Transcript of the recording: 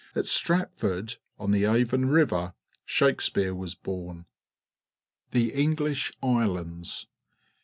At Stratford, on the .4 con Rivei; Shakespeare was born. The English Islands.